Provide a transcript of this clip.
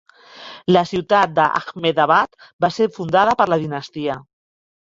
La ciutat d'Ahmedabad va ser fundada per la dinastia.